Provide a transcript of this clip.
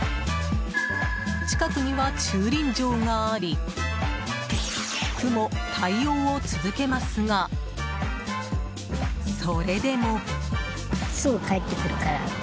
近くには駐輪場があり区も対応を続けますがそれでも。